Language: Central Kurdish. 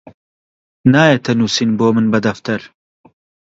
نایەتە نووسین بۆ من بە دەفتەر